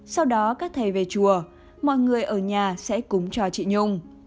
sau đó các thầy về chùa mọi người ở nhà sẽ cúng cho chị nhung